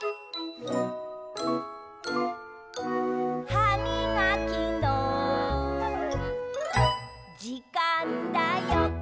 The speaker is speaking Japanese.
「はみがきのじかんだよ！」